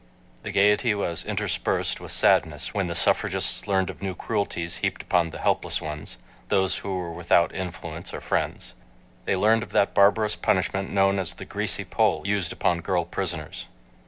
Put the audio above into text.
The gayety was interspersed with sadness when the suffragists learned of new cruelties heaped upon the helpless ones, those who were without influence or friends. .. They learned of that barbarous punishment known as "the greasy pole" used upon girl prisoners.